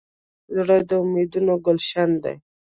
زړه د امیدونو ګلشن دی.